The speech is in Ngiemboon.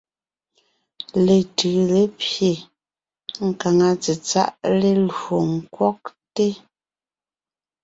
Letʉʉ lépye, nkáŋa tsetsáʼ lélwo ńkwɔgte.